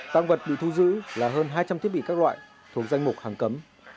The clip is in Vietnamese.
tăng vật bị thu giữ là hơn hai trăm linh thiết bị các loại thuộc danh mục hàng cấm